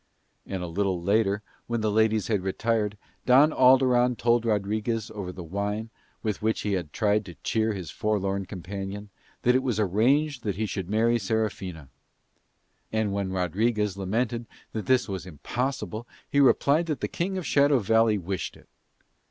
And a little later, when the ladies had retired, Don Alderon told Rodriguez over the wine, with which he had tried to cheer his forlorn companion, that it was arranged that he should marry Serafina. And when Rodriguez lamented that this was impossible he replied that the King of Shadow Valley wished it.